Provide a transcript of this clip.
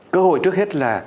cơ hội trước hết là